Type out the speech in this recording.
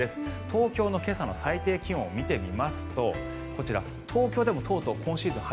東京の今朝の最低気温を見てみますとこちら、東京でもとうとう今シーズン